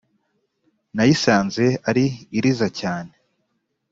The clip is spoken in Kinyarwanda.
Nayisanze ari iriza cyane